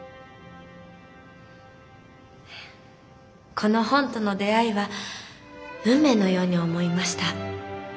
この本との出会いは運命のように思いました。